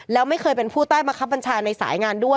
แล้วไม่เคยเป็นผู้ใต้บังคับบัญชาในสายงานด้วย